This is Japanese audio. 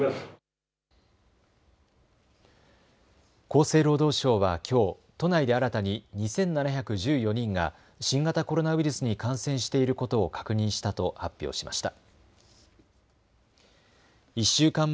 厚生労働省はきょう都内で新たに２７１４人が新型コロナウイルスに感染していることを確認したと発表しました。